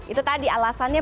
itu tadi alasannya